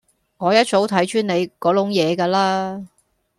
我一早睇穿你嗰籠嘢架喇